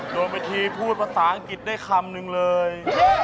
โดนไปทีพูดภาษาอังกฤษได้คำนึงเลย